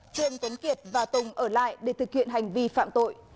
trương tuấn kiệt và tùng ở lại để thực hiện hành vi phạm tội